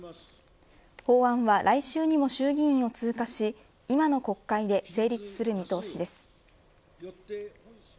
法案は来週にも衆議院を通過し今の国会で成立する見通しです。